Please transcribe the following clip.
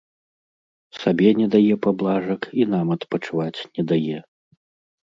Сабе не дае паблажак і нам адпачываць не дае.